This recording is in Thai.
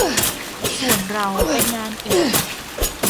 ส่วนเราไปงานอื่น